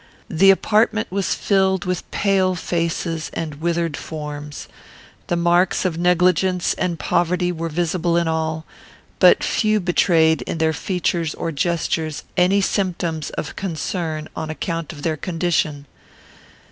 The apartment was filled with pale faces and withered forms. The marks of negligence and poverty were visible in all; but few betrayed, in their features or gestures, any symptoms of concern on account of their condition.